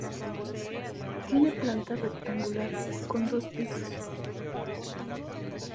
Tiene planta rectangular, con dos pisos.